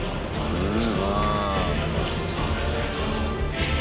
うん。